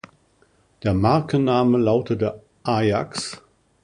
Der Markenname lautete "Ajax".